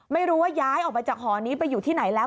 ไม่รู้ว่าย้ายออกไปจากหอนี้ไปอยู่ที่ไหนแล้ว